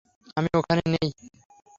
আমি ওখানে নেই।